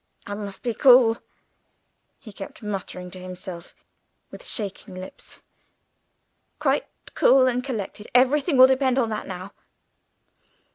"I must be cool," he kept muttering to himself, with shaking lips, "quite cool and collected. Everything will depend on that now!"